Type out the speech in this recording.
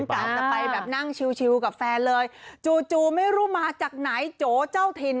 กะจะไปแบบนั่งชิวกับแฟนเลยจู่จู่ไม่รู้มาจากไหนโจเจ้าถิ่น